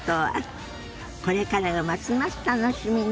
これからがますます楽しみね。